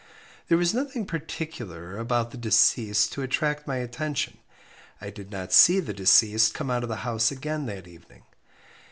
There was nothing particular about the deceased to attract my attention. I did not see the deceased come out of the house again that evening.